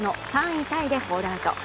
３位タイでホールアウト。